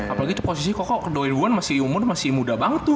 apalagi itu posisi koko dua ribu an masih umur masih muda banget tuh